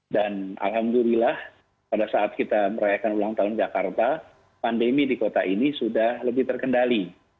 dan alhamdulillah pada saat kita merayakan ulang tahun jakarta pandemi di kota ini sudah lebih terkendali